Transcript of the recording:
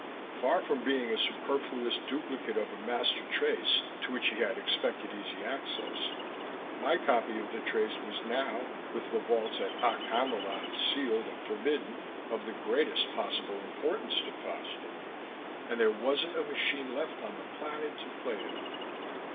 Far from being a superfluous duplicate of a master trace to which he had expected easy access, my copy of the trace was now, with the vaults at Okk Hamiloth sealed and forbidden, of the greatest possible importance to Foster and there wasn't a machine left on the planet to play it on.